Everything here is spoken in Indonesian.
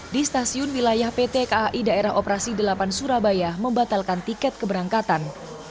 di stasiun wilayah pt kai daerah operasi delapan surabaya membatalkan tiket keberangkatan